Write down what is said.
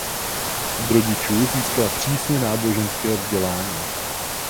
Od rodičů získala přísně náboženské vzdělání.